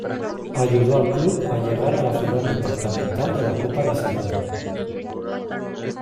Ayudó al club a llegar a la final departamental de la Copa Nacional.